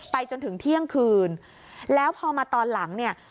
จนถึงเที่ยงคืนแล้วพอมาตอนหลังเนี่ย